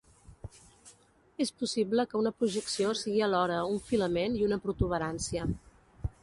És possible que una projecció sigui alhora un filament i una protuberància.